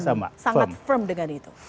sangat firm dengan itu